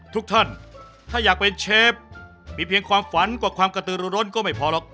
ทุกท่านถ้าอยากเป็นเชฟมีเพียงความฝันกว่าความกระตือร้นก็ไม่พอหรอก